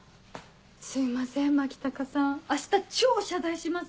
すいません牧高さん明日超謝罪します。